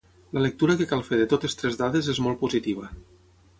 La lectura que cal fer de totes tres dades és molt positiva.